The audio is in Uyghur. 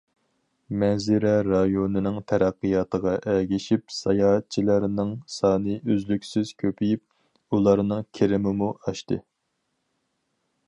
مەنزىرە رايونىنىڭ تەرەققىياتىغا ئەگىشىپ ساياھەتچىلەرنىڭ سانى ئۈزلۈكسىز كۆپىيىپ، ئۇلارنىڭ كىرىمىمۇ ئاشتى.